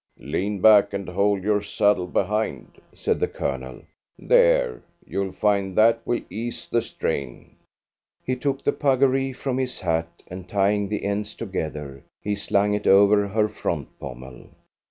"Lean back, and hold your saddle behind," said the Colonel. "There, you'll find that will ease the strain." He took the puggaree from his hat, and tying the ends together, he slung it over her front pommel.